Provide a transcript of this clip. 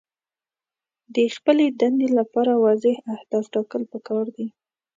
د خپلې دندې لپاره واضح اهداف ټاکل پکار دي.